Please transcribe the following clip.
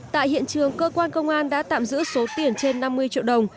tại hiện trường cơ quan công an đã tạm giữ số tiền trên năm mươi triệu đồng